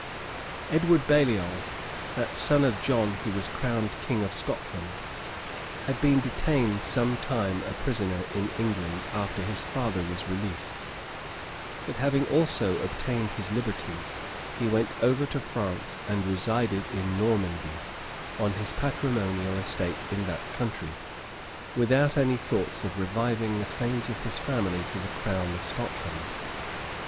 {1332.} Edward Baliol, the son of that John who was crowned king of Scotland, had been detained some time a prisoner in England after his father was released; but having also obtained his liberty, he went over to France, and resided in Normandy, on his patrimonial estate in that country, without any thoughts of reviving the claims of his family to the crown of Scotland.